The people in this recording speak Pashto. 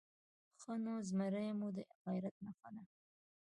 _ښه نو، زمری مو د غيرت نښه ده؟